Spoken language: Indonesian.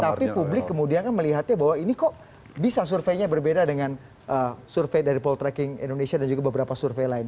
tapi publik kemudian melihatnya bahwa ini kok bisa surveinya berbeda dengan survei dari poltreking indonesia dan juga beberapa survei lain